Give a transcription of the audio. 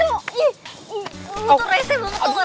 mokok reseh banget